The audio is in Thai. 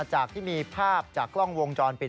จากที่มีภาพจากกล้องวงจรปิด